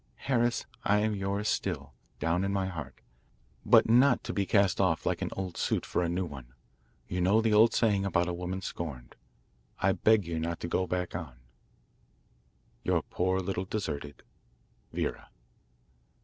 Harris, I am yours still, down in my heart, but not to be cast off like an old suit for a new one. You know the old saying about a woman scorned. I beg you not to go back on Your poor little deserted VERA.